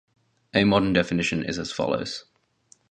A modern definition is as follows.